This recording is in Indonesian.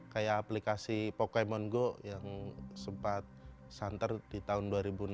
kayak aplikasi pokemon go yang sempat santer di tahun dua ribu enam belas